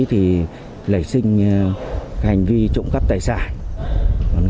thì lấy sinh hành vi trộm cắp tài sản